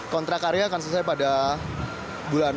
kontrak karya akan selesai pada bulan